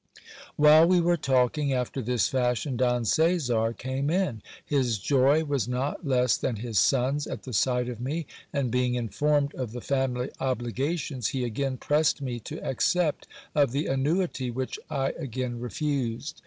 While we were talking after this fashion, Don Caesar came in. His joy was not less than his son's at the sight of me ; and being informed of the family obligations, he again pressed me to accept of the annuity, which I again refused.